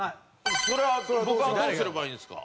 それは僕はどうすればいいんですか？